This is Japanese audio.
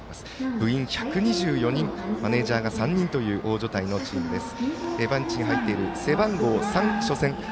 部員１２４人マネージャーが３人という大所帯のチームです。